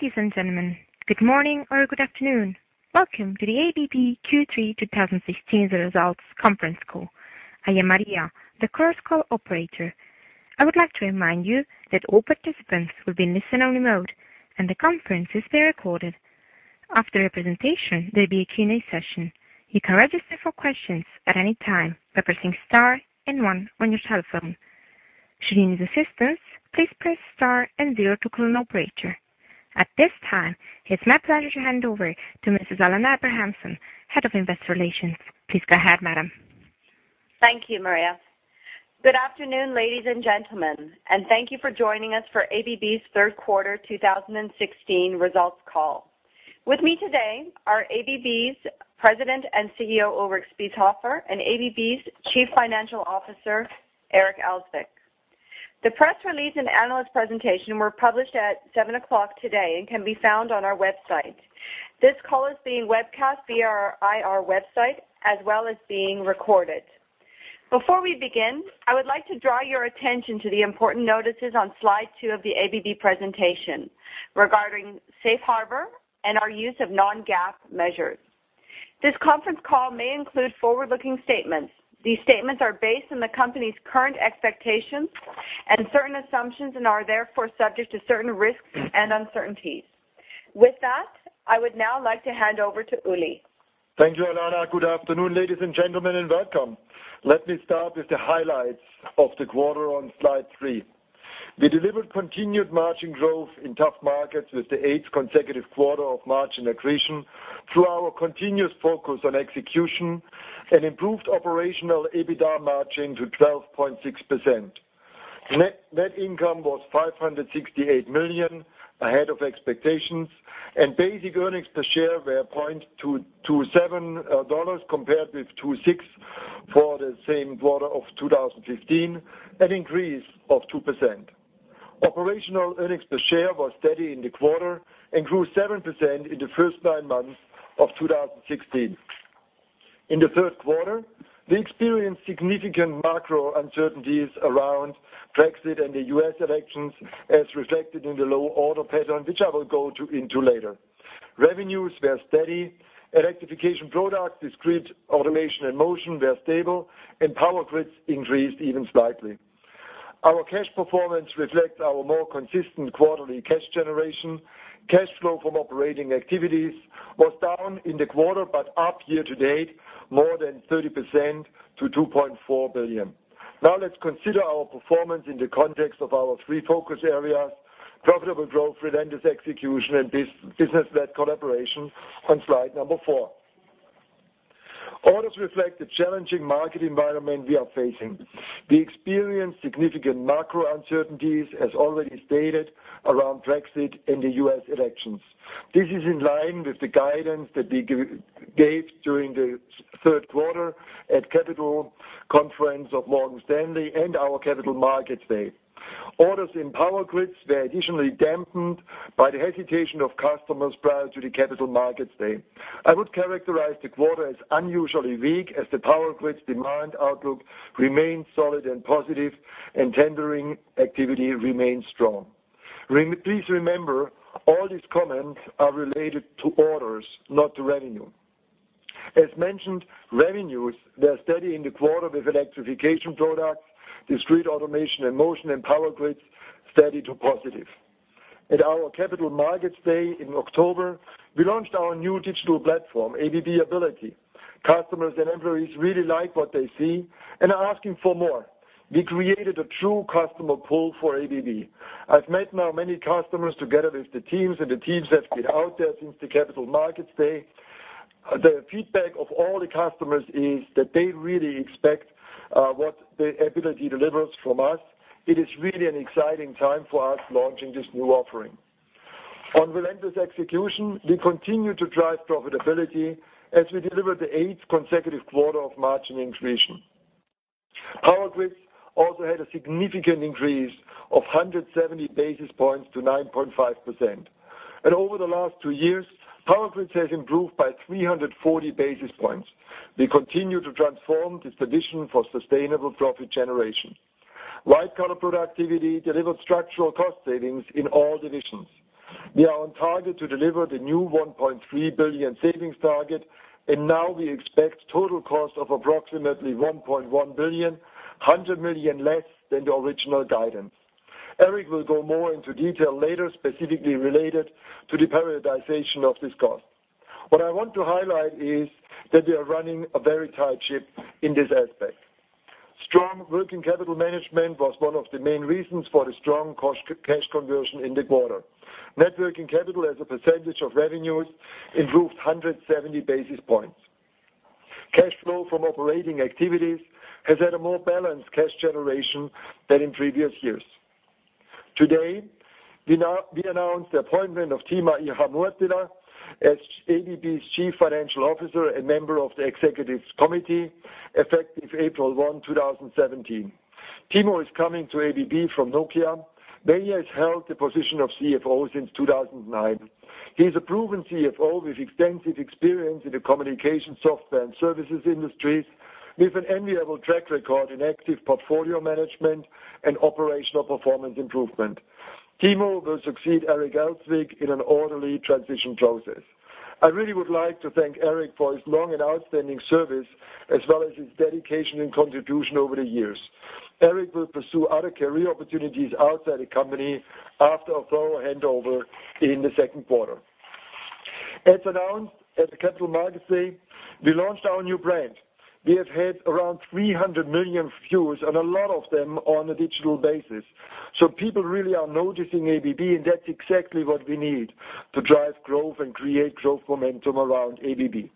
Ladies and gentlemen, good morning or good afternoon. Welcome to the ABB Q3 2016 Results Conference Call. I am Maria, the conference call operator. I would like to remind you that all participants will be in listen-only mode, and the conference is being recorded. After the presentation, there will be a Q&A session. You can register for questions at any time by pressing star and one on your telephone. Should you need assistance, please press star and zero to call an operator. At this time, it is my pleasure to hand over to Mrs. Alanna Abrahamson, Head of Investor Relations. Please go ahead, madam. Thank you, Maria. Good afternoon, ladies and gentlemen, and thank you for joining us for ABB's third quarter 2016 results call. With me today are ABB's President and CEO, Ulrich Spiesshofer, and ABB's Chief Financial Officer, Eric Elzvik. The press release and analyst presentation were published at 7:00 today and can be found on our website. This call is being webcast via our IR website, as well as being recorded. Before we begin, I would like to draw your attention to the important notices on slide 2 of the ABB presentation regarding Safe Harbor and our use of non-GAAP measures. This conference call may include forward-looking statements. These statements are based on the company's current expectations and certain assumptions, and are therefore subject to certain risks and uncertainties. With that, I would now like to hand over to Uli. Thank you, Alanna. Good afternoon, ladies and gentlemen, and welcome. Let me start with the highlights of the quarter on slide 3. We delivered continued margin growth in tough markets with the eighth consecutive quarter of margin accretion through our continuous focus on execution and improved operational EBITA margin to 12.6%. Net income was $568 million, ahead of expectations, and basic earnings per share were $0.27 compared with $0.26 for the same quarter of 2015, an increase of 2%. Operational earnings per share were steady in the quarter and grew 7% in the first nine months of 2016. In the third quarter, we experienced significant macro uncertainties around Brexit and the U.S. elections as reflected in the low order pattern, which I will go into later. Revenues were steady. Electrification Products, Discrete Automation and Motion were stable, and Power Grids increased even slightly. Our cash performance reflects our more consistent quarterly cash generation. Cash flow from operating activities was down in the quarter, but up year-to-date, more than 30% to $2.4 billion. Now let us consider our performance in the context of our three focus areas: profitable growth, relentless execution, and business-led collaboration on slide number 4. Orders reflect the challenging market environment we are facing. We experienced significant macro uncertainties, as already stated, around Brexit and the U.S. elections. This is in line with the guidance that we gave during the third quarter at Capital Conference of Morgan Stanley and our Capital Markets Day. Orders in Power Grids were additionally dampened by the hesitation of customers prior to the Capital Markets Day. I would characterize the quarter as unusually weak as the Power Grids demand outlook remains solid and positive, and tendering activity remains strong. Please remember, all these comments are related to orders, not to revenue. As mentioned, revenues were steady in the quarter with Electrification Products, Discrete Automation and Motion and Power Grids, steady to positive. At our Capital Markets Day in October, we launched our new digital platform, ABB Ability. Customers and employees really like what they see and are asking for more. We created a true customer pull for ABB. I've met now many customers together with the teams, and the teams that have been out there since the Capital Markets Day. The feedback of all the customers is that they really expect what the Ability delivers from us. It is really an exciting time for us launching this new offering. On relentless execution, we continue to drive profitability as we deliver the eighth consecutive quarter of margin accretion. Power Grids also had a significant increase of 170 basis points to 9.5%. Over the last two years, Power Grids has improved by 340 basis points. We continue to transform this division for sustainable profit generation. White-collar productivity delivered structural cost savings in all divisions. We are on target to deliver the new $1.3 billion savings target, and now we expect total cost of approximately $1.1 billion, $100 million less than the original guidance. Eric will go more into detail later, specifically related to the periodization of this cost. What I want to highlight is that we are running a very tight ship in this aspect. Strong working capital management was one of the main reasons for the strong cash conversion in the quarter. Net working capital as a percentage of revenues improved 170 basis points. Cash flow from operating activities has had a more balanced cash generation than in previous years. Today, we announced the appointment of Timo Ihamuotila as ABB's Chief Financial Officer and member of the Executive Committee effective April 1, 2017. Timo is coming to ABB from Nokia, where he has held the position of CFO since 2009. He's a proven CFO with extensive experience in the communication software and services industries, with an enviable track record in active portfolio management and operational performance improvement. Timo will succeed Eric Elzvik in an orderly transition process. I really would like to thank Eric for his long and outstanding service, as well as his dedication and contribution over the years. Eric will pursue other career opportunities outside the company after a thorough handover in the second quarter. As announced at the Capital Markets Day, we launched our new brand. We have had around 300 million views, and a lot of them on a digital basis. People really are noticing ABB, and that's exactly what we need to drive growth and create growth momentum around ABB.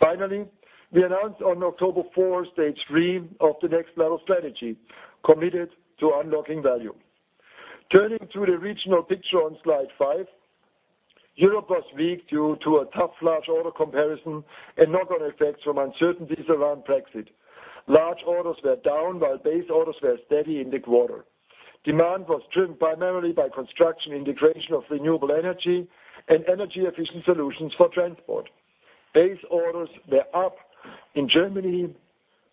Finally, we announced on October 4, stage 3 of the Next Level strategy, committed to unlocking value. Turning to the regional picture on slide five, Europe was weak due to a tough large order comparison and knock-on effects from uncertainties around Brexit. Large orders were down while base orders were steady in the quarter. Demand was driven primarily by construction, integration of renewable energy, and energy-efficient solutions for transport. Base orders were up in Germany,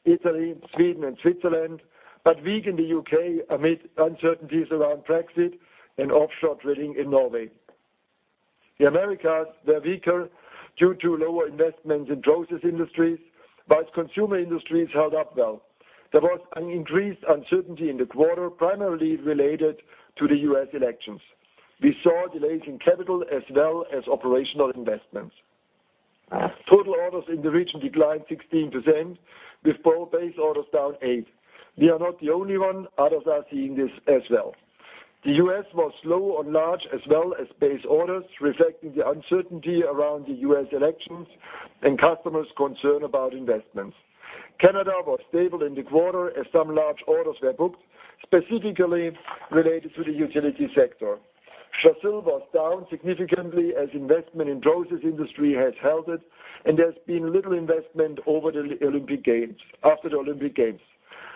Italy, Sweden, and Switzerland, but weak in the U.K. amid uncertainties around Brexit and offshore drilling in Norway. The Americas were weaker due to lower investments in process industries, but consumer industries held up well. There was an increased uncertainty in the quarter, primarily related to the U.S. elections. We saw delays in capital as well as operational investments. Total orders in the region declined 16%, with base orders down 8%. We are not the only one. Others are seeing this as well. The U.S. was slow on large as well as base orders, reflecting the uncertainty around the U.S. elections and customers' concern about investments. Canada was stable in the quarter as some large orders were booked, specifically related to the utility sector. Brazil was down significantly as investment in process industry has halted, and there's been little investment after the Olympic Games.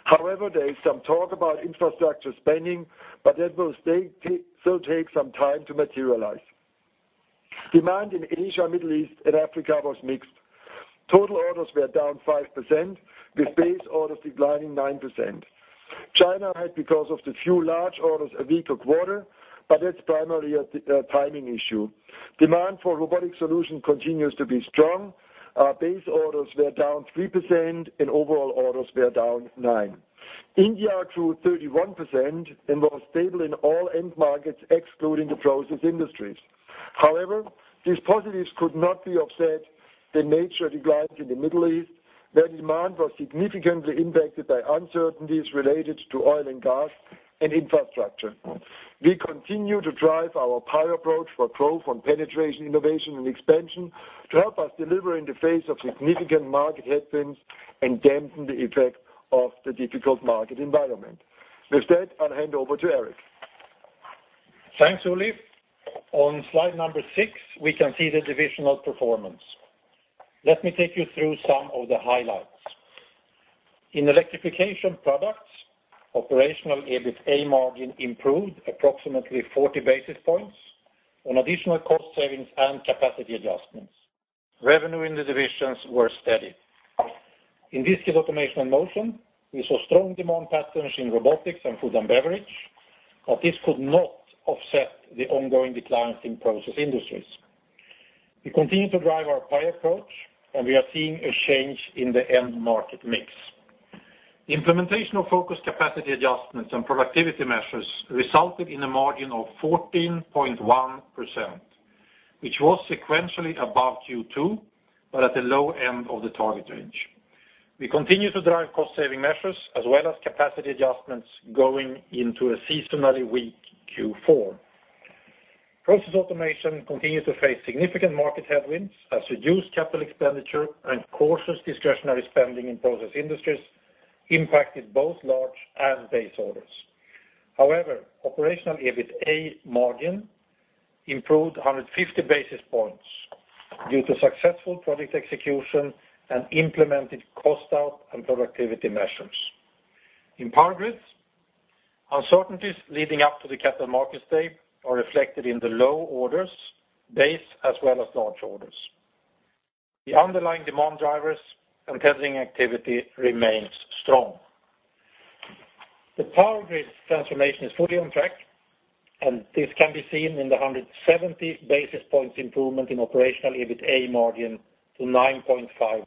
However, there is some talk about infrastructure spending, but that will still take some time to materialize. Demand in Asia, Middle East, and Africa was mixed. Total orders were down 5%, with base orders declining 9%. China had, because of the few large orders, a weaker quarter, but it's primarily a timing issue. Demand for robotic solution continues to be strong. Our base orders were down 3%, and overall orders were down 9%. India grew 31% and was stable in all end markets, excluding the process industries. However, these positives could not offset the major declines in the Middle East, where demand was significantly impacted by uncertainties related to oil and gas and infrastructure. We continue to drive our PIE approach for growth on penetration, innovation, and expansion to help us deliver in the face of significant market headwinds and dampen the effect of the difficult market environment. With that, I'll hand over to Eric. Thanks, Uli. On slide number six, we can see the divisional performance. Let me take you through some of the highlights. In Electrification Products, operational EBITA margin improved approximately 40 basis points on additional cost savings and capacity adjustments. Revenue in the divisions were steady. In Discrete Automation & Motion, we saw strong demand patterns in robotics and food and beverage, but this could not offset the ongoing declines in process industries. We continue to drive our PIE approach, and we are seeing a change in the end market mix. The implementation of focused capacity adjustments and productivity measures resulted in a margin of 14.1%, which was sequentially above Q2, but at the low end of the target range. We continue to drive cost-saving measures as well as capacity adjustments going into a seasonally weak Q4. Process Automation continues to face significant market headwinds as reduced CapEx and cautious discretionary spending in process industries impacted both large and base orders. However, operational EBITA margin improved 150 basis points due to successful project execution and implemented cost out and productivity measures. In Power Grids, uncertainties leading up to the Capital Markets Day are reflected in the low orders, base as well as large orders. The underlying demand drivers and tendering activity remains strong. The Power Grid transformation is fully on track, and this can be seen in the 170 basis points improvement in operational EBITA margin to 9.5%.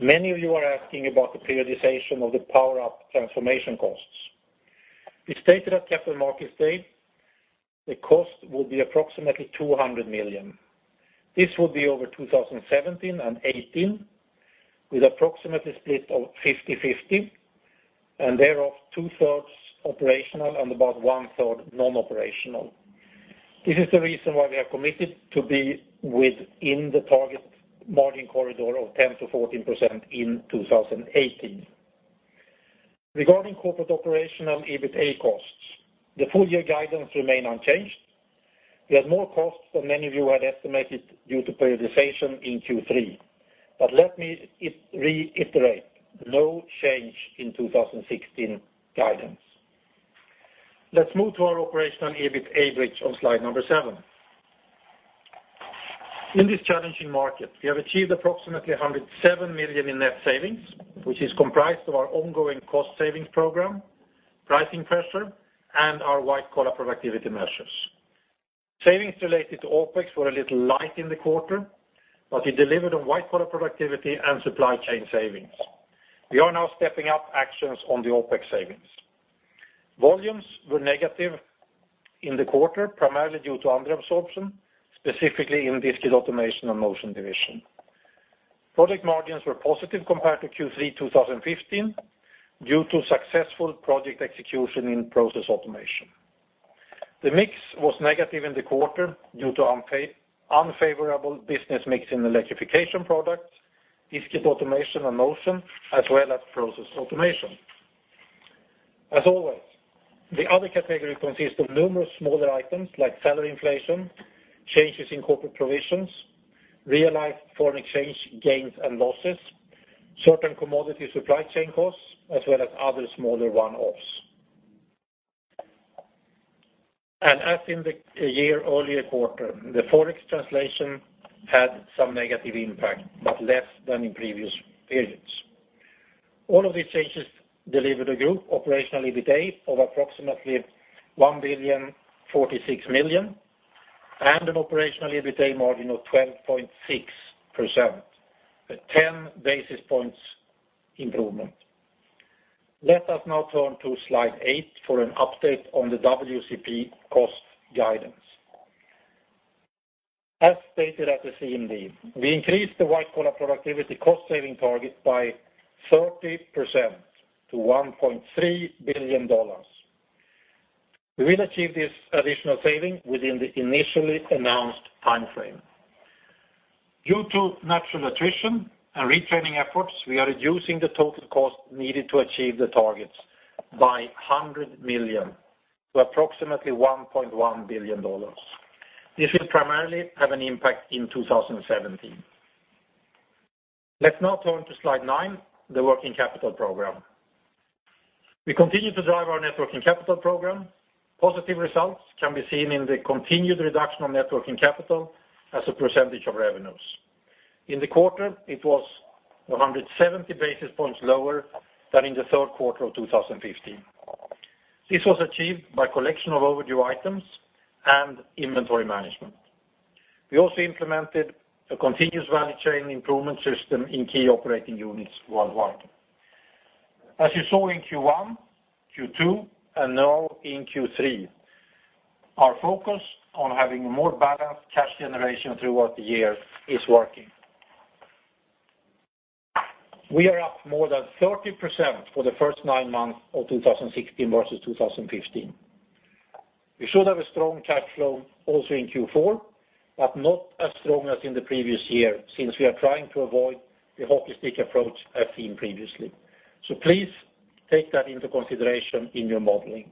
Many of you are asking about the periodization of the Power Up transformation costs. We stated at Capital Markets Day the cost will be approximately $200 million. This will be over 2017 and 2018, with approximately split of 50/50, and thereof two-thirds operational and about one-third non-operational. This is the reason why we are committed to be within the target margin corridor of 10%-14% in 2018. Regarding corporate operational EBITA costs, the full-year guidance remain unchanged. We have more costs than many of you had estimated due to periodization in Q3. Let me reiterate, no change in 2016 guidance. Let's move to our operational EBITA bridge on slide seven. In this challenging market, we have achieved approximately $107 million in net savings, which is comprised of our ongoing cost savings program, pricing pressure, and our white-collar productivity measures. Savings related to OpEx were a little light in the quarter, but we delivered on white-collar productivity and supply chain savings. We are now stepping up actions on the OpEx savings. Volumes were negative in the quarter, primarily due to under absorption, specifically in Discrete Automation and Motion division. Project margins were positive compared to Q3 2015 due to successful project execution in Process Automation. The mix was negative in the quarter due to unfavorable business mix in the Electrification Products, Discrete Automation and Motion, as well as Process Automation. As always, the other category consists of numerous smaller items like salary inflation, changes in corporate provisions, realized foreign exchange gains and losses, certain commodity supply chain costs, as well as other smaller one-offs. As in the year earlier quarter, the Forex translation had some negative impact, but less than in previous periods. All of these changes delivered a group operational EBITA of approximately $1,046 million and an operational EBITA margin of 12.6%, a 10 basis points improvement. Let us now turn to slide eight for an update on the WCP cost guidance. As stated at the CMD, we increased the white-collar productivity cost-saving target by 30% to $1.3 billion. We will achieve this additional saving within the initially announced timeframe. Due to natural attrition and retraining efforts, we are reducing the total cost needed to achieve the targets by $100 million to approximately $1.1 billion. This will primarily have an impact in 2017. Let's now turn to slide nine, the working capital program. We continue to drive our net working capital program. Positive results can be seen in the continued reduction of net working capital as a percentage of revenues. In the quarter, it was 170 basis points lower than in the third quarter of 2015. This was achieved by collection of overdue items and inventory management. We also implemented a continuous value chain improvement system in key operating units worldwide. As you saw in Q1, Q2, and now in Q3, our focus on having more balanced cash generation throughout the year is working. We are up more than 30% for the first nine months of 2016 versus 2015. We should have a strong cash flow also in Q4, but not as strong as in the previous year since we are trying to avoid the hockey stick approach as seen previously. Please take that into consideration in your modeling.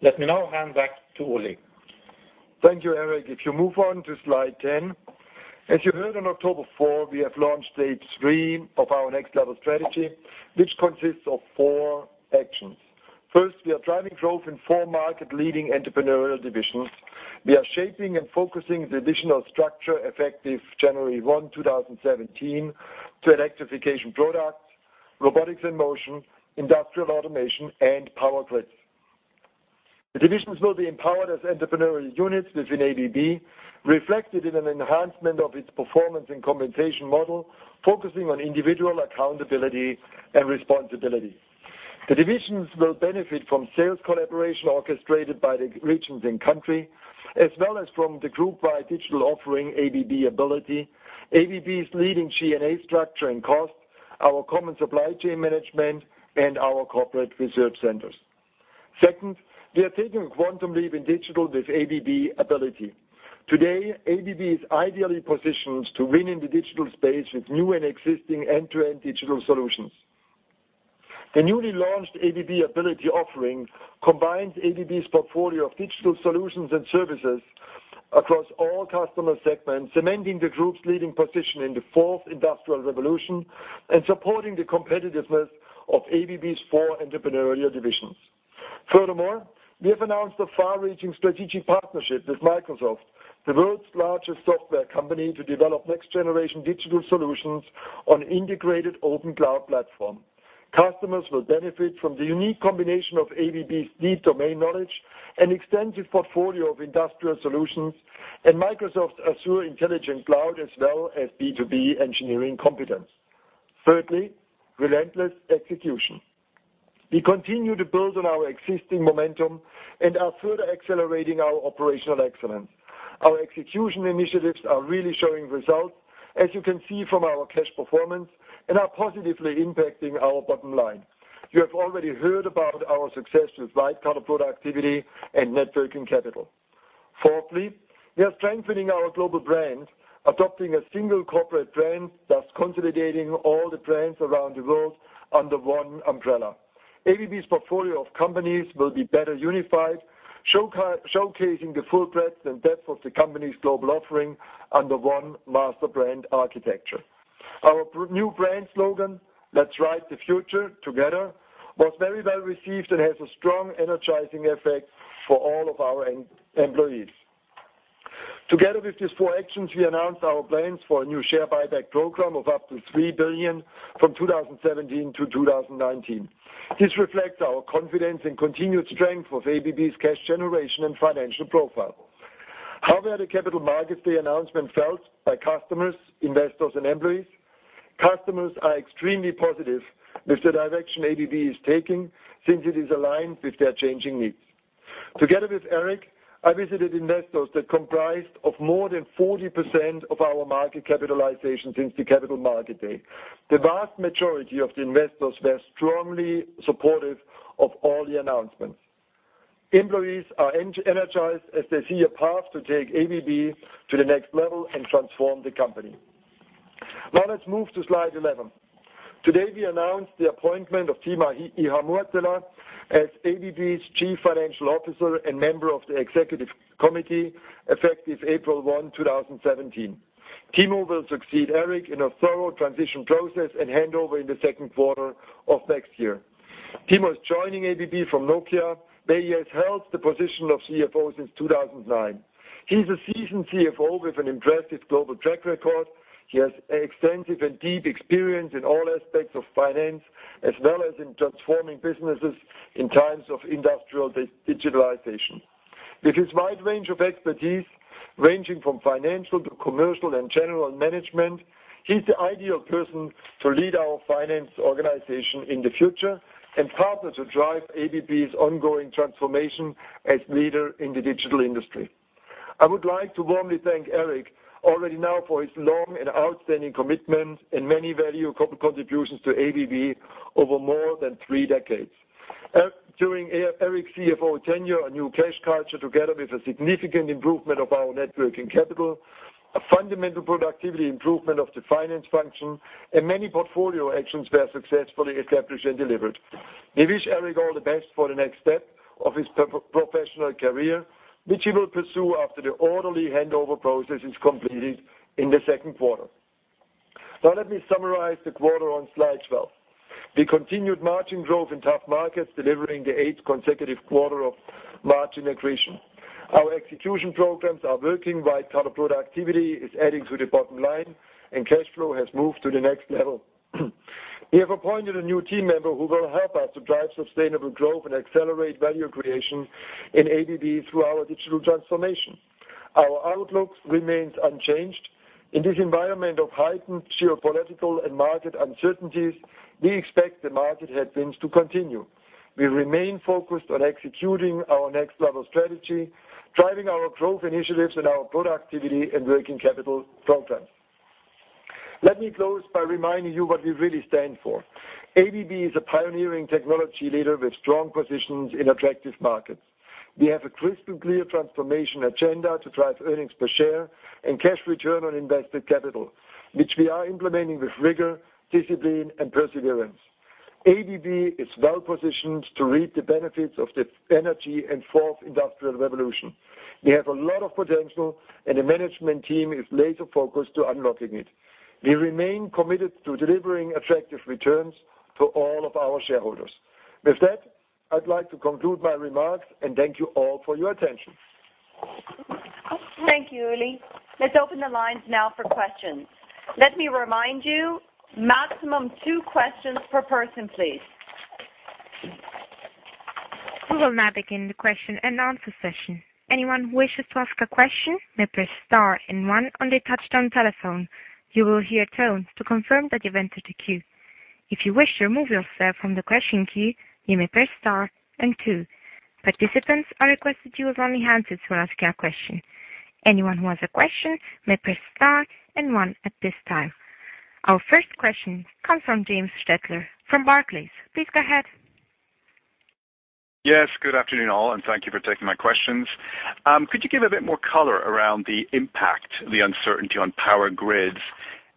Let me now hand back to Ulrich. Thank you, Eric. If you move on to slide 10. As you heard on October 4, we have launched stage 3 of our Next Level strategy, which consists of four actions. First, we are driving growth in four market-leading entrepreneurial divisions. We are shaping and focusing the divisional structure effective January 1, 2017 to Electrification Products, Robotics and Motion, Industrial Automation, and Power Grids. The divisions will be empowered as entrepreneurial units within ABB, reflected in an enhancement of its performance and compensation model, focusing on individual accountability and responsibility. The divisions will benefit from sales collaboration orchestrated by the regions and country, as well as from the group-wide digital offering, ABB Ability, ABB's leading G&A structure and cost, our common supply chain management, and our corporate research centers. Second, we are taking a quantum leap in digital with ABB Ability. Today, ABB is ideally positioned to win in the digital space with new and existing end-to-end digital solutions. The newly launched ABB Ability offering combines ABB's portfolio of digital solutions and services across all customer segments, cementing the group's leading position in the fourth industrial revolution and supporting the competitiveness of ABB's four entrepreneurial divisions. We have announced a far-reaching strategic partnership with Microsoft, the world's largest software company, to develop next-generation digital solutions on integrated open cloud platform. Customers will benefit from the unique combination of ABB's deep domain knowledge and extensive portfolio of industrial solutions and Microsoft's Azure intelligent cloud as well as B2B engineering competence. Thirdly, relentless execution. We continue to build on our existing momentum and are further accelerating our operational excellence. Our execution initiatives are really showing results, as you can see from our cash performance, and are positively impacting our bottom line. You have already heard about our success with white-collar productivity and net working capital. Fourthly, we are strengthening our global brand, adopting a single corporate brand, thus consolidating all the brands around the world under one umbrella. ABB's portfolio of companies will be better unified, showcasing the full breadth and depth of the company's global offering under one master brand architecture. Our new brand slogan, "Let's write the future. Together.," was very well received and has a strong energizing effect for all of our employees. Together with these four actions, we announced our plans for a new share buyback program of up to $3 billion from 2017 to 2019. This reflects our confidence in continued strength of ABB's cash generation and financial profile. The Capital Markets Day announcement felt by customers, investors, and employees. Customers are extremely positive with the direction ABB is taking since it is aligned with their changing needs. Together with Eric, I visited investors that comprised of more than 40% of our market capitalization since the Capital Markets Day. The vast majority of the investors were strongly supportive of all the announcements. Employees are energized as they see a path to take ABB to the Next Level and transform the company. Let's move to slide 11. Today, we announced the appointment of Timo Ihamuotila as ABB's Chief Financial Officer and member of the executive committee effective April 1, 2017. Timo will succeed Eric in a thorough transition process and handover in the second quarter of next year. Timo is joining ABB from Nokia, where he has held the position of CFO since 2009. He is a seasoned CFO with an impressive global track record. He has extensive and deep experience in all aspects of finance, as well as in transforming businesses in times of industrial digitalization. With his wide range of expertise, ranging from financial to commercial and general management, he is the ideal person to lead our finance organization in the future and partner to drive ABB's ongoing transformation as leader in the digital industry. I would like to warmly thank Eric already now for his long and outstanding commitment and many value contributions to ABB over more than three decades. During Eric's CFO tenure, a new cash culture, together with a significant improvement of our net working capital, a fundamental productivity improvement of the finance function, and many portfolio actions were successfully established and delivered. We wish Eric all the best for the next step of his professional career, which he will pursue after the orderly handover process is completed in the second quarter. Let me summarize the quarter on slide 12. We continued margin growth in tough markets, delivering the eighth consecutive quarter of margin accretion. Our execution programs are working, white-collar productivity is adding to the bottom line, cash flow has moved to the Next Level. We have appointed a new team member who will help us to drive sustainable growth and accelerate value creation in ABB through our digital transformation. Our outlook remains unchanged. In this environment of heightened geopolitical and market uncertainties, we expect the market headwinds to continue. We remain focused on executing our Next Level strategy, driving our growth initiatives and our productivity and working capital programs. Let me close by reminding you what we really stand for. ABB is a pioneering technology leader with strong positions in attractive markets. We have a crystal clear transformation agenda to drive earnings per share and cash return on invested capital, which we are implementing with rigor, discipline and perseverance. ABB is well-positioned to reap the benefits of the energy and fourth industrial revolution. We have a lot of potential, the management team is laser focused to unlocking it. We remain committed to delivering attractive returns to all of our shareholders. With that, I'd like to conclude my remarks and thank you all for your attention. Thank you, Ulrich. Let's open the lines now for questions. Let me remind you, maximum two questions per person, please. We will now begin the question and answer session. Anyone who wishes to ask a question may press star and one on their touchtone telephone. You will hear a tone to confirm that you've entered the queue. If you wish to remove yourself from the question queue, you may press star and two. Participants, I request that you have only answers when asking a question. Anyone who has a question may press star and one at this time. Our first question comes from James Stettler from Barclays. Please go ahead. Yes, good afternoon all. Thank you for taking my questions. Could you give a bit more color around the impact of the uncertainty on Power Grids,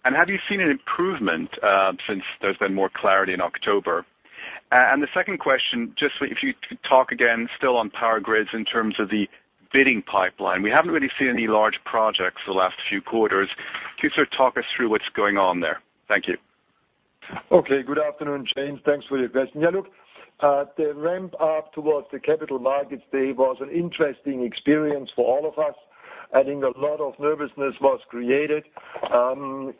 and have you seen an improvement since there's been more clarity in October? The second question, just if you could talk again, still on Power Grids in terms of the bidding pipeline. We haven't really seen any large projects the last few quarters. Could you talk us through what's going on there? Thank you. Okay. Good afternoon, James. Thanks for your question. Look, the ramp up towards the Capital Markets Day was an interesting experience for all of us. I think a lot of nervousness was created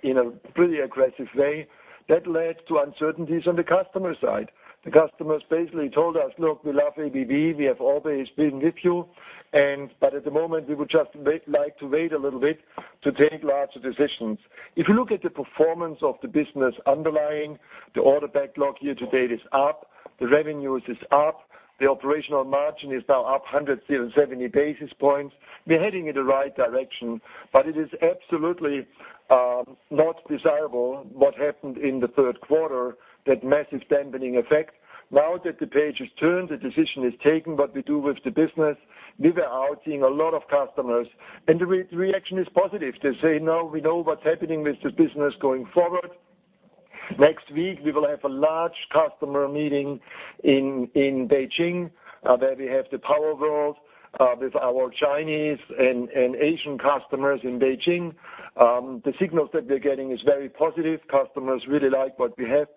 in a pretty aggressive way that led to uncertainties on the customer side. The customers basically told us, "Look, we love ABB. We have always been with you. But at the moment, we would just like to wait a little bit to take larger decisions." If you look at the performance of the business underlying, the order backlog year to date is up, the revenues is up, the operational margin is now up 170 basis points. We're heading in the right direction. It is absolutely not desirable what happened in the third quarter, that massive dampening effect. Now that the page is turned, the decision is taken what we do with the business, we are out seeing a lot of customers, the reaction is positive. They say, "Now we know what's happening with the business going forward." Next week we will have a large customer meeting in Beijing, where we have the Power World with our Chinese and Asian customers in Beijing. The signals that we're getting is very positive. Customers really like what we have.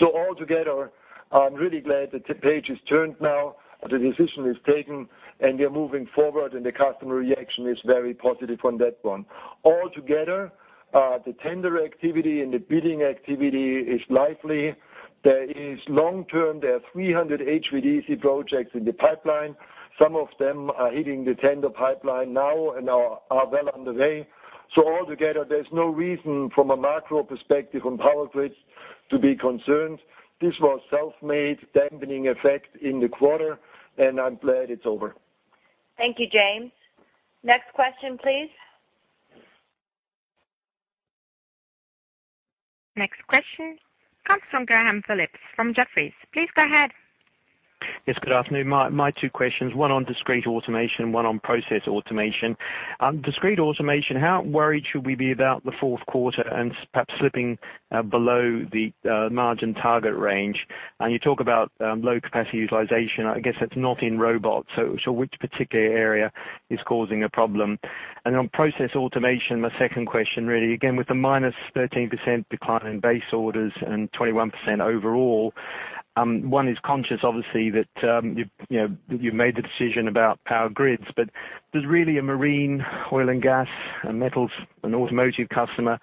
All together, I'm really glad that the page is turned now, the decision is taken, we are moving forward, the customer reaction is very positive on that one. All together, the tender activity and the bidding activity is lively. There is long-term, there are 300 HVDC projects in the pipeline. Some of them are hitting the tender pipeline now and are well on the way. All together, there's no reason from a macro perspective on Power Grids to be concerned. This was self-made dampening effect in the quarter, and I'm glad it's over. Thank you, James. Next question, please. Next question comes from Graham Phillips, from Jefferies. Please go ahead. Yes, good afternoon. My two questions, one on Discrete Automation, one on Process Automation. Discrete Automation, how worried should we be about the fourth quarter and perhaps slipping below the margin target range? You talk about low capacity utilization. I guess that's not in robots, so which particular area is causing a problem? On Process Automation, my second question really, again, with the -13% decline in base orders and 21% overall, one is conscious obviously that you've made the decision about Power Grids, but does really a Marine, Oil and Gas, a Metals, an Automotive customer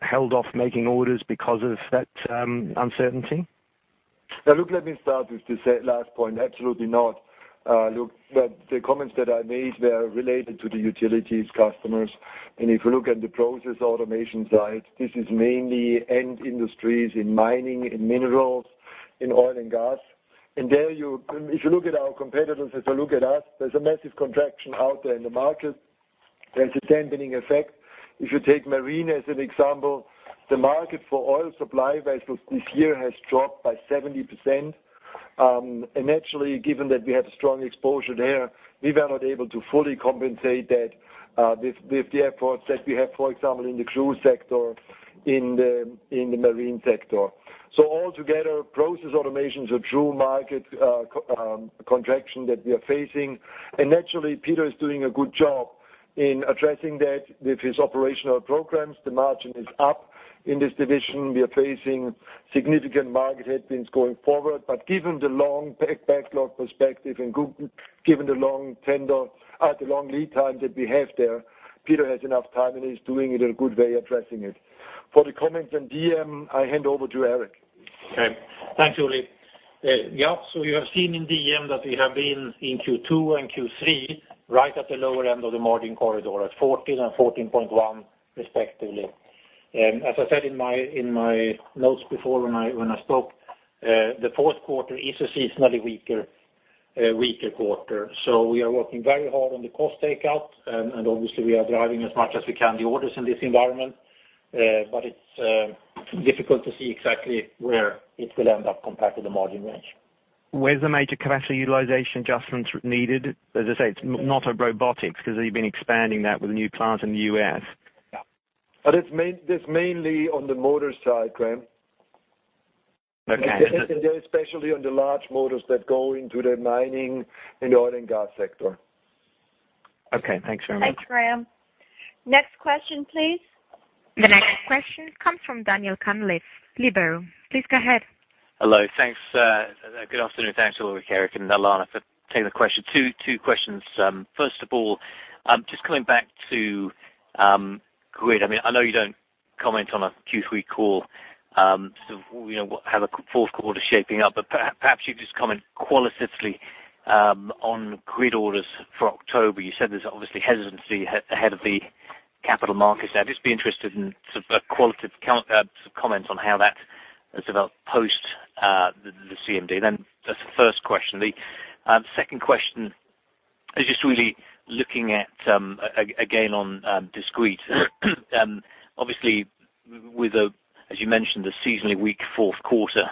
held off making orders because of that uncertainty? Look, let me start with the last point. Absolutely not. Look, the comments that I made were related to the utilities customers. If you look at the Process Automation side, this is mainly end industries in mining, in minerals, in oil and gas. There, if you look at our competitors, as you look at us, there's a massive contraction out there in the market. There's a dampening effect. If you take Marine as an example, the market for oil supply vessels this year has dropped by 70%. Naturally, given that we have a strong exposure there, we were not able to fully compensate that with the efforts that we have, for example, in the cruise sector, in the Marine sector. All together, Process Automation is a true market contraction that we are facing. Naturally, Peter is doing a good job in addressing that with his operational programs. The margin is up in this division. We are facing significant market headwinds going forward. Given the long backlog perspective and given the long lead time that we have there, Peter has enough time, and he's doing it in a good way, addressing it. For the comments on DM, I hand over to Eric. Okay. Thanks, Uli. You have seen in DM that we have been in Q2 and Q3, right at the lower end of the margin corridor at 14 and 14.1 respectively. As I said in my notes before when I spoke, the fourth quarter is a seasonally weaker quarter. We are working very hard on the cost takeout, and obviously, we are driving as much as we can the orders in this environment. It's difficult to see exactly where it will end up compared to the margin range. Where's the major capacity utilization adjustments needed? As I say, it's not at robotics because you've been expanding that with a new plant in the U.S. Yeah. It is mainly on the motor side, Graham. Okay. Especially on the large motors that go into the mining and oil and gas sector. Okay. Thanks very much. Thanks, Graham. Next question, please. The next question comes from Daniel Kamlis, Liberum. Please go ahead. Hello. Thanks. Good afternoon. Thanks, Uli, Eric, and Alanna for taking the question. Two questions. First of all, just coming back to Grid. I know you don't comment on a Q3 call, how the fourth quarter is shaping up. Perhaps you just comment qualitatively on Grid orders for October. You said there's obviously hesitancy ahead of the capital markets. I'd just be interested in qualitative comments on how that has developed post the CMD. That's the first question. The second question is just really looking at, again, on Discrete. Obviously, as you mentioned, the seasonally weak fourth quarter,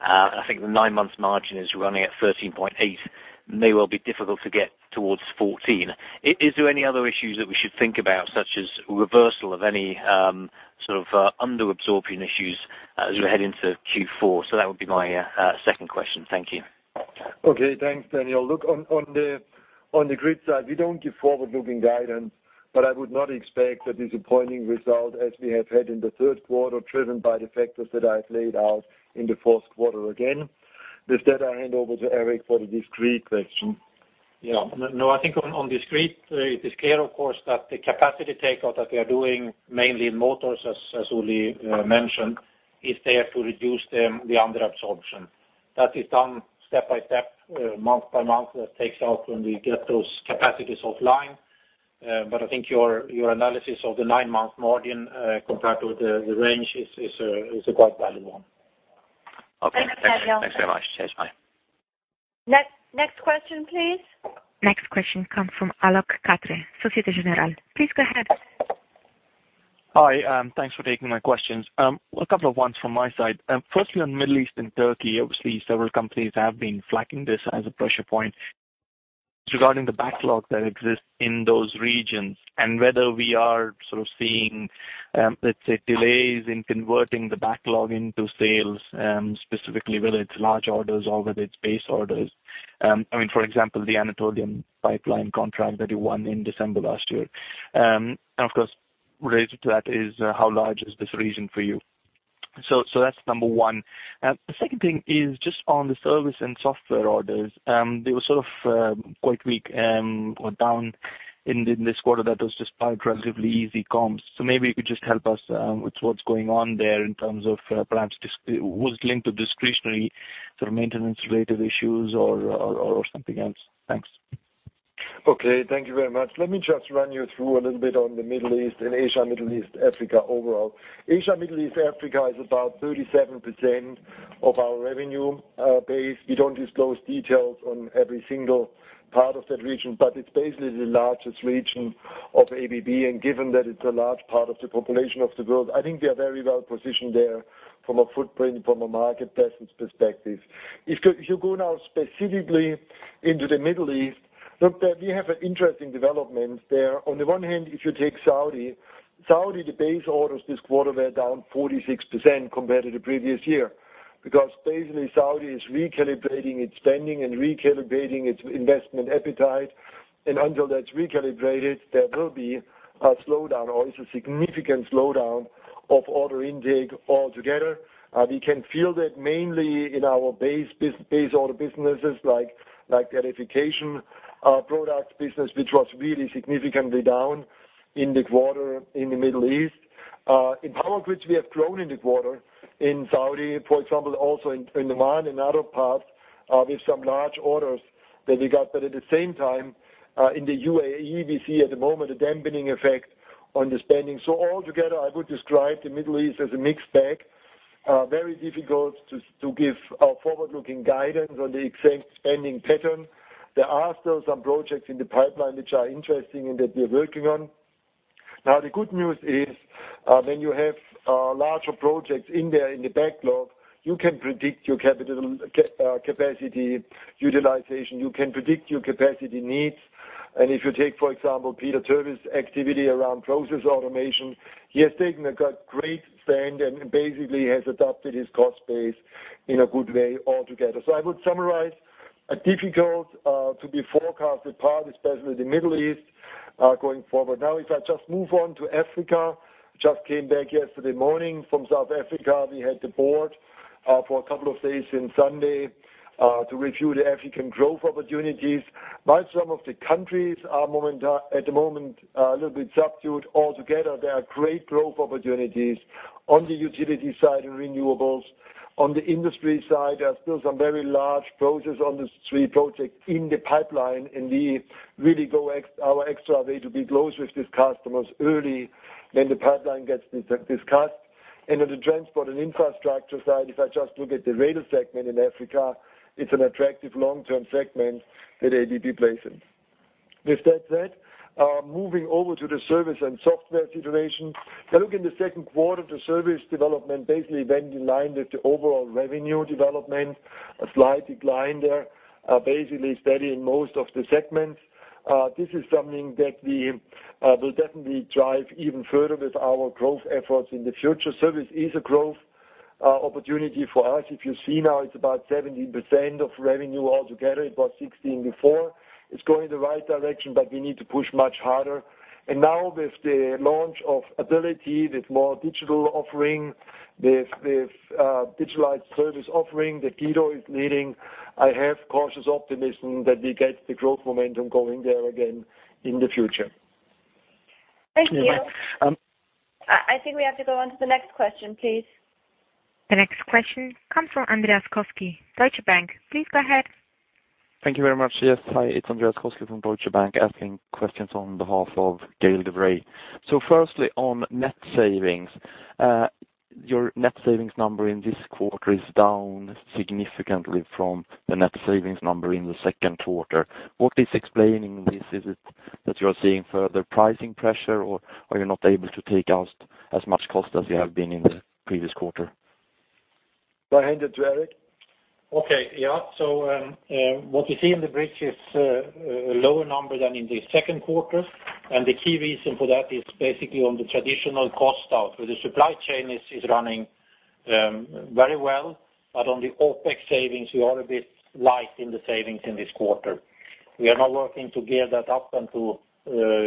I think the nine-month margin is running at 13.8, may well be difficult to get towards 14. Is there any other issues that we should think about, such as reversal of any sort of under-absorption issues as we head into Q4? That would be my second question. Thank you. Okay. Thanks, Daniel. Look, on the Grid side, we don't give forward-looking guidance, but I would not expect a disappointing result as we have had in the third quarter, driven by the factors that I've laid out in the fourth quarter again. With that, I hand over to Eric for the Discrete question. Yeah. No, I think on Discrete, it is clear, of course, that the capacity takeout that we are doing mainly in motors, as Uli mentioned, is there to reduce the under-absorption. That is done step by step, month by month. That takes out when we get those capacities offline. I think your analysis of the nine-month margin compared with the range is a quite valid one. Okay. Thanks, Daniel. Thanks very much. Cheers. Bye. Next question, please. Next question comes from Alok Katre, Societe Generale. Please go ahead. Hi. Thanks for taking my questions. A couple of ones from my side. Firstly, on Middle East and Turkey, obviously several companies have been flagging this as a pressure point. Regarding the backlog that exists in those regions, and whether we are seeing, let's say, delays in converting the backlog into sales, specifically whether it's large orders or whether it's base orders. For example, the Anatolian pipeline contract that you won in December last year. Related to that is how large is this region for you? That's number one. The second thing is just on the service and software orders. They were quite weak or down in this quarter that was just comparatively easy comps. Maybe you could just help us with what's going on there in terms of perhaps was linked to discretionary maintenance-related issues or something else. Thanks. Okay. Thank you very much. Let me just run you through a little bit on the Middle East and Asia, Middle East, Africa overall. Asia, Middle East, Africa is about 37% of our revenue base. We don't disclose details on every single part of that region, but it's basically the largest region of ABB, and given that it's a large part of the population of the world, I think we are very well positioned there from a footprint, from a market presence perspective. If you go now specifically into the Middle East, look, we have an interesting development there. On the one hand, if you take Saudi base orders this quarter were down 46% compared to the previous year. Saudi is recalibrating its spending and recalibrating its investment appetite, and until that's recalibrated, there will be a slowdown, or it's a significant slowdown of order intake altogether. We can feel that mainly in our base order businesses like the Electrification Products business, which was really significantly down in the quarter in the Middle East. In Power Grids, we have grown in the quarter in Saudi, for example, also in Oman and other parts, with some large orders that we got. At the same time, in the UAE, we see at the moment a dampening effect on the spending. Altogether, I would describe the Middle East as a mixed bag. Very difficult to give a forward-looking guidance on the exact spending pattern. There are still some projects in the pipeline which are interesting and that we're working on. The good news is, when you have larger projects in there in the backlog, you can predict your capacity utilization. You can predict your capacity needs. If you take, for example, Peter Terwiesch's activity around Process Automation, he has taken a great stand and basically has adapted his cost base in a good way altogether. I would summarize a difficult to be forecasted part, especially the Middle East, going forward. If I just move on to Africa, just came back yesterday morning from South Africa. We had the board for a couple of days in Sandton, to review the African growth opportunities. While some of the countries are at the moment a little bit subdued altogether, there are great growth opportunities on the utility side and renewables. On the industry side, there are still some very large process on the three projects in the pipeline, and we really go our extra way to be close with these customers early when the pipeline gets discussed. On the transport and infrastructure side, if I just look at the rail segment in Africa, it's an attractive long-term segment that ABB plays in. With that said, moving over to the service and software situation. Now look in the second quarter, the service development basically went in line with the overall revenue development. A slight decline there. Basically steady in most of the segments. This is something that we will definitely drive even further with our growth efforts in the future. Service is a growth opportunity for us. If you see now it's about 17% of revenue all together. It was 16 before. It's going the right direction, but we need to push much harder. Now with the launch of Ability, with more digital offering, with digitalized service offering that Guido is leading, I have cautious optimism that we get the growth momentum going there again in the future. Thank you. Yeah. I think we have to go on to the next question, please. The next question comes from Andreas Koski, Deutsche Bank. Please go ahead. Thank you very much. Yes, hi. It's Andreas Koski from Deutsche Bank, asking questions on behalf of Gaël de Bray. Firstly, on net savings. Your net savings number in this quarter is down significantly from the net savings number in the second quarter. What is explaining this? Is it that you're seeing further pricing pressure, or are you not able to take out as much cost as you have been in the previous quarter? Go ahead, Eric. Okay. Yeah. What you see in the bridge is a lower number than in the second quarter. The key reason for that is basically on the traditional cost out, where the supply chain is running very well. On the OpEx savings, we are a bit light in the savings in this quarter. We are now working to gear that up and to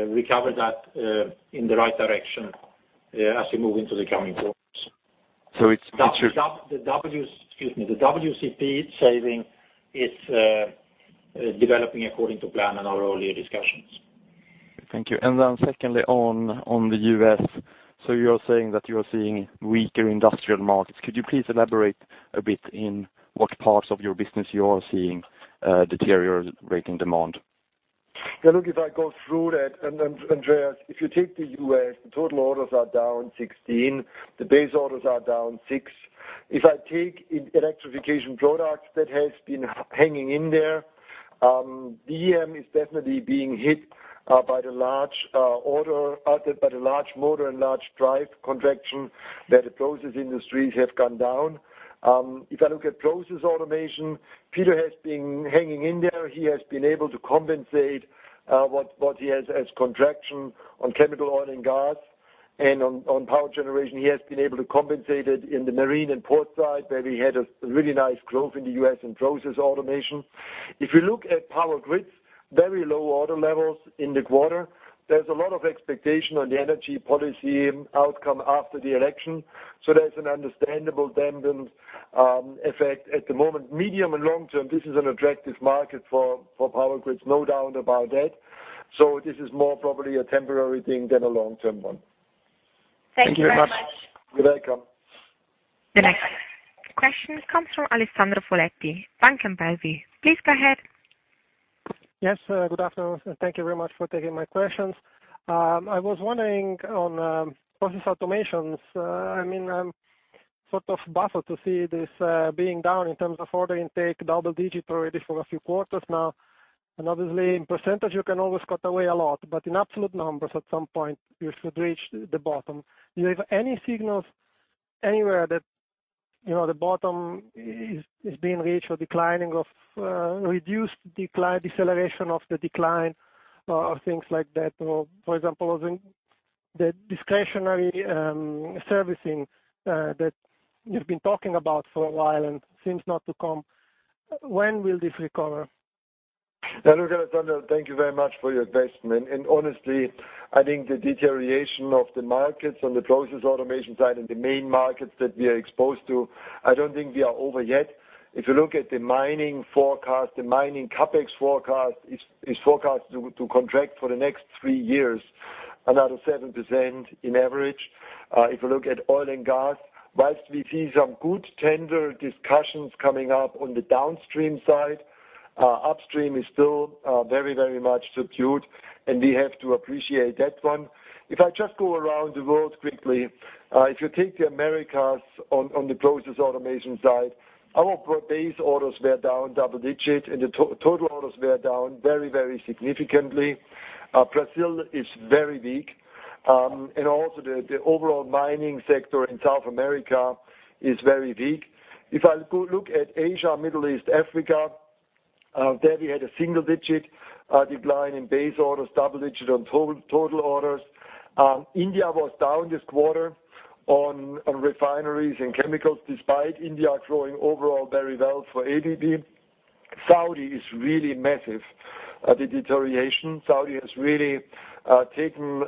recover that in the right direction as we move into the coming quarters. So it's- The WCP saving is developing according to plan and our earlier discussions. Thank you. Secondly, on the U.S., you're saying that you are seeing weaker industrial markets. Could you please elaborate a bit in what parts of your business you are seeing a deterioration in demand? Yeah, look, if I go through that, Andreas, if you take the U.S., the total orders are down 16, the base orders are down six. If I take Electrification Products, that has been hanging in there. EM is definitely being hit by the large motor and large drive contraction that the process industries have gone down. If I look at Process Automation, Peter has been hanging in there. He has been able to compensate what he has as contraction on chemical oil and gas. On power generation, he has been able to compensate it in the marine and port side, where we had a really nice growth in the U.S. in Process Automation. If you look at Power Grids, very low order levels in the quarter. There's a lot of expectation on the energy policy outcome after the election. There's an understandable dampened effect at the moment. Medium and long term, this is an attractive market for power grids. No doubt about that. This is more probably a temporary thing than a long-term one. Thank you very much. You're welcome. The next question comes from Alessandro Folletti, Bank of America. Please go ahead. Yes. Good afternoon, and thank you very much for taking my questions. I was wondering on Process Automation. I'm sort of baffled to see this being down in terms of order intake, double-digit already for a few quarters now. Obviously in percentage you can always cut away a lot, but in absolute numbers, at some point you should reach the bottom. Do you have any signals anywhere that the bottom is being reached or declining of reduced decline, deceleration of the decline or things like that? For example, the discretionary servicing that you've been talking about for a while and seems not to come. When will this recover? Look, Alessandro, thank you very much for your question. Honestly, I think the deterioration of the markets on the Process Automation side and the main markets that we are exposed to, I don't think we are over yet. If you look at the mining forecast, the mining CapEx forecast, it's forecast to contract for the next three years, another 7% in average. If you look at oil and gas, whilst we see some good tender discussions coming up on the downstream side, upstream is still very much subdued, and we have to appreciate that one. If I just go around the world quickly. If you take the Americas on the Process Automation side, our base orders were down double-digit, and the total orders were down very significantly. Brazil is very weak. Also the overall mining sector in South America is very weak. If I look at Asia, Middle East, Africa, there we had a single-digit decline in base orders, double-digit on total orders. India was down this quarter on refineries and chemicals, despite India growing overall very well for ABB. Saudi is really massive, the deterioration. Saudi has really taken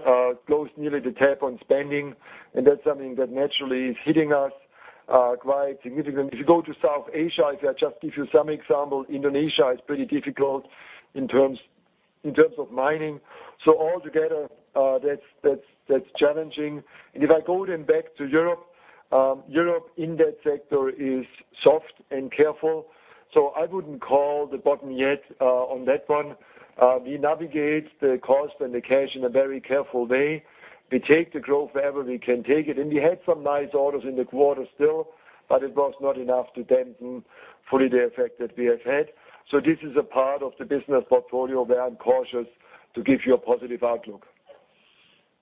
close nearly the tap on spending, and that's something that naturally is hitting us quite significantly. If you go to South Asia, if I just give you some example, Indonesia is pretty difficult in terms of mining. All together, that's challenging. If I go back to Europe. Europe in that sector is soft and careful. I wouldn't call the bottom yet on that one. We navigate the cost and the cash in a very careful way. We take the growth wherever we can take it, and we had some nice orders in the quarter still, but it was not enough to dampen fully the effect that we have had. This is a part of the business portfolio where I'm cautious to give you a positive outlook.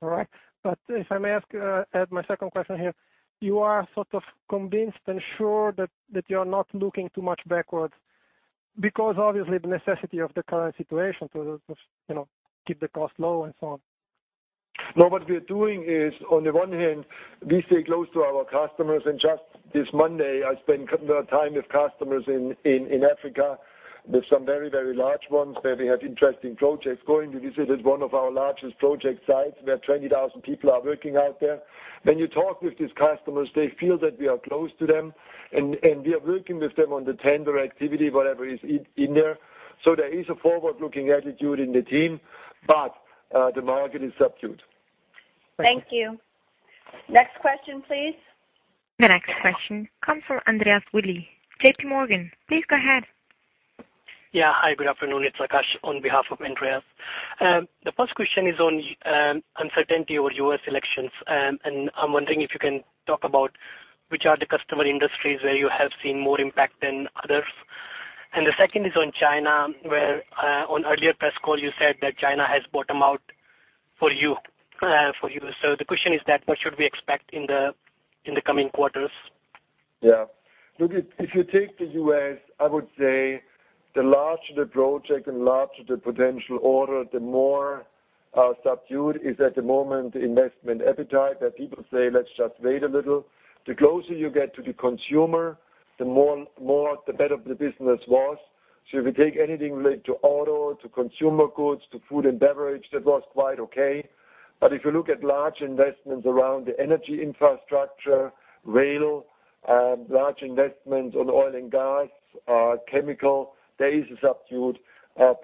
All right. If I may ask my second question here. You are sort of convinced and sure that you are not looking too much backwards because obviously the necessity of the current situation to keep the cost low and so on. No, what we are doing is, on the one hand, we stay close to our customers. Just this Monday, I spent time with customers in Africa. There is some very large ones where we have interesting projects going. We visited one of our largest project sites, where 20,000 people are working out there. When you talk with these customers, they feel that we are close to them, and we are working with them on the tender activity, whatever is in there. There is a forward-looking attitude in the team, but the market is subdued. Thank you. Next question, please. The next question comes from Andreas Willi, J.P. Morgan. Please go ahead. Yeah. Hi, good afternoon. It's Akash on behalf of Andreas. The first question is on uncertainty over U.S. elections, I'm wondering if you can talk about which are the customer industries where you have seen more impact than others. The second is on China, where on earlier press call you said that China has bottomed out for you. The question is that what should we expect in the coming quarters? Yeah. Look, if you take the U.S., I would say the larger the project and larger the potential order, the more subdued is at the moment the investment appetite that people say, "Let's just wait a little." The closer you get to the consumer, the more the better the business was. If you take anything related to auto, to consumer goods, to food and beverage, that was quite okay. If you look at large investments around the energy infrastructure, rail, large investments on oil and gas, chemical, there is a subdued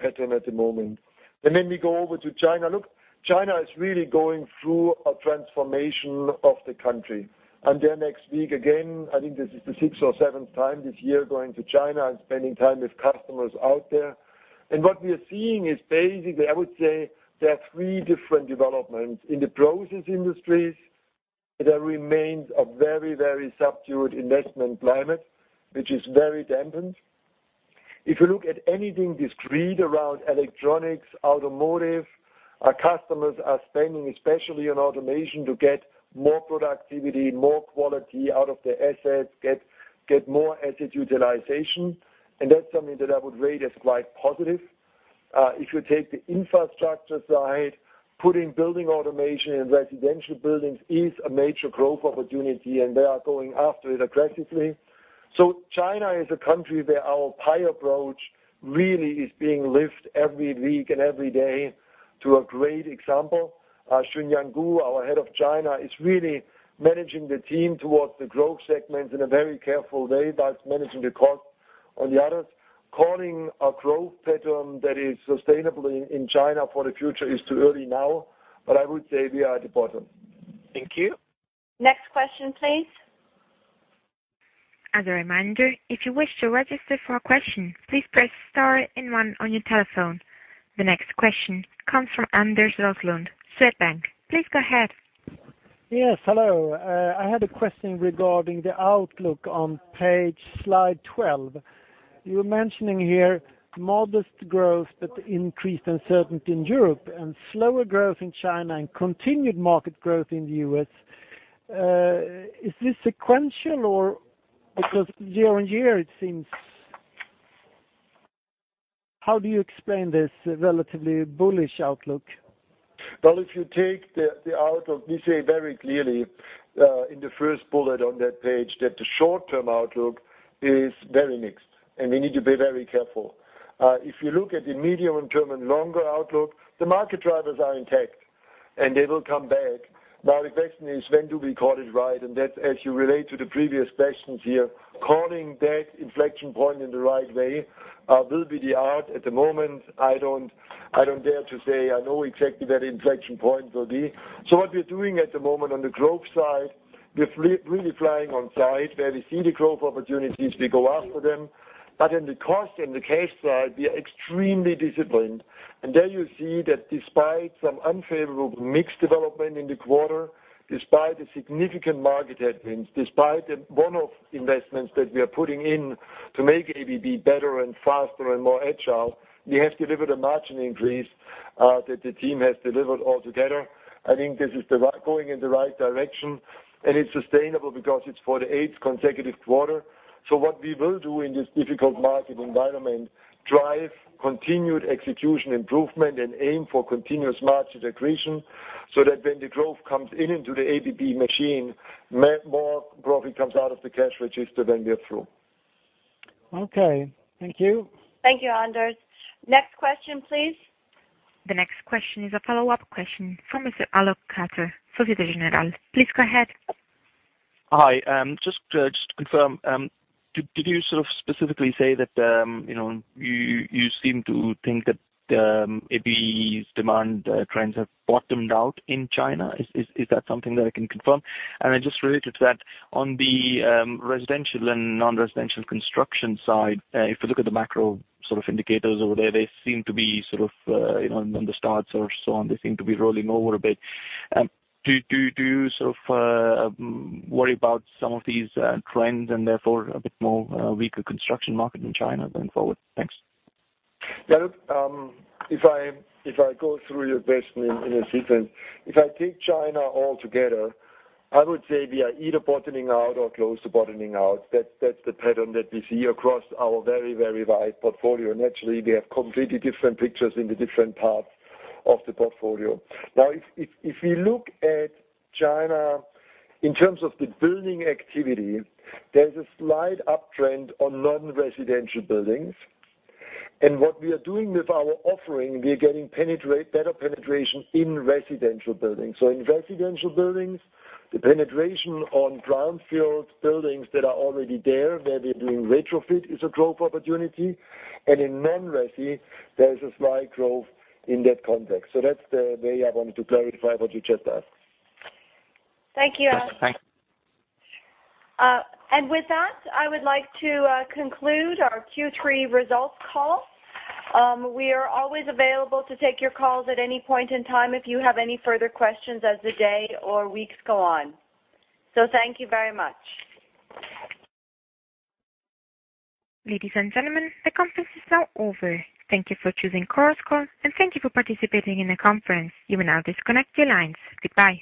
pattern at the moment. Then we go over to China. Look, China is really going through a transformation of the country. I'm there next week again, I think this is the sixth or seventh time this year going to China and spending time with customers out there. What we are seeing is basically, I would say there are three different developments. In the process industries, there remains a very subdued investment climate, which is very dampened. If you look at anything discrete around electronics, automotive, our customers are spending, especially on automation, to get more productivity, more quality out of their assets, get more asset utilization. That's something that I would rate as quite positive. If you take the infrastructure side, putting building automation in residential buildings is a major growth opportunity, they are going after it aggressively. China is a country where our PIE approach really is being lived every week and every day to a great example. Chunyuan Gu, our head of China, is really managing the team towards the growth segments in a very careful way, thus managing the cost on the others. Calling a growth pattern that is sustainable in China for the future is too early now, I would say we are at the bottom. Thank you. Next question, please. As a reminder, if you wish to register for a question, please press star and one on your telephone. The next question comes from Anders Roslund, Swedbank. Please go ahead. Yes. Hello. I had a question regarding the outlook on page slide 12. You were mentioning here modest growth, but increased uncertainty in Europe and slower growth in China and continued market growth in the U.S. Is this sequential or because year-on-year it seems. How do you explain this relatively bullish outlook? Well, if you take the outlook, we say very clearly, in the first bullet on that page that the short-term outlook is very mixed, and we need to be very careful. If you look at the medium and term and longer outlook, the market drivers are intact, and they will come back. Now the question is when do we call it right? That's as you relate to the previous questions here, calling that inflection point in the right way will be the art. At the moment, I do not dare to say I know exactly where the inflection point will be. What we are doing at the moment on the growth side, we are really flying on site where we see the growth opportunities, we go after them. In the cost and the cash side, we are extremely disciplined. There you see that despite some unfavorable mixed development in the quarter, despite the significant market headwinds, despite the one-off investments that we are putting in to make ABB better and faster and more agile, we have delivered a margin increase, that the team has delivered altogether. I think this is going in the right direction, and it is sustainable because it is for the eighth consecutive quarter. What we will do in this difficult market environment, drive continued execution improvement and aim for continuous margin accretion, so that when the growth comes in into the ABB machine, more profit comes out of the cash register when we are through. Okay. Thank you. Thank you, Anders. Next question, please. The next question is a follow-up question from Mr. Alok Katre, Societe Generale. Please go ahead. Hi. Just to confirm, did you sort of specifically say that you seem to think that ABB's demand trends have bottomed out in China? Is that something that I can confirm? Just related to that, on the residential and non-residential construction side, if we look at the macro sort of indicators over there, they seem to be sort of on the starts or so on. They seem to be rolling over a bit. Do you sort of worry about some of these trends and therefore a bit more weaker construction market in China going forward? Thanks. Well, if I go through your question in a sequence. If I take China altogether, I would say we are either bottoming out or close to bottoming out. That's the pattern that we see across our very, very wide portfolio. Naturally, we have completely different pictures in the different parts of the portfolio. Now, if we look at China in terms of the building activity, there's a slight uptrend on non-residential buildings. What we are doing with our offering, we are getting better penetration in residential buildings. In residential buildings, the penetration on brownfield buildings that are already there, where we are doing retrofit is a growth opportunity. In non-resi, there's a slight growth in that context. That's the way I wanted to clarify what you just asked. Thank you. Thanks. With that, I would like to conclude our Q3 results call. We are always available to take your calls at any point in time if you have any further questions as the day or weeks go on. Thank you very much. Ladies and gentlemen, the conference is now over. Thank you for choosing Chorus Call, and thank you for participating in the conference. You may now disconnect your lines. Goodbye.